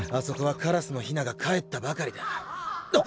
そこはカラスのヒナがかえったばかりだ。